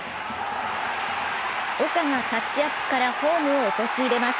岡がタッチアップからホームを落とし入れます。